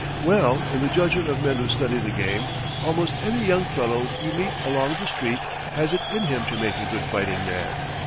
Well, in the judgment of men who study the game, almost any young fellow you meet along the street has it in him to make a good fighting man.